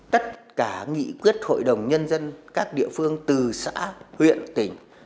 tất cả nghị quyết hội đồng nhân dân các địa phương từ xã huyện tỉnh